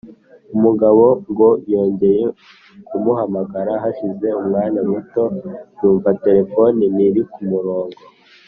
umugabo ngo yongeye kumuhamahara hashize umwanya muto, yumva telefoni ntiri ku murongo